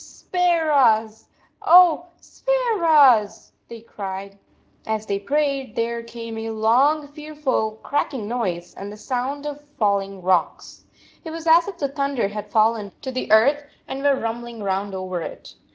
" Spare us, oh, spare us," they cried. As they prayed, there came a long, fear ful cracking noise, and the sound of falling rocks. It was as if the thunder had fallen to 104 the earth and were rumbling round over it.